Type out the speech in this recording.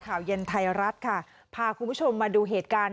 ข่าวเย็นไทยรัฐค่ะพาคุณผู้ชมมาดูเหตุการณ์